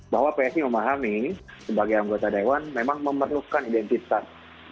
bahwa psi memahami sebagai anggota dewan memang memerlukan identitas